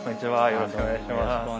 よろしくお願いします。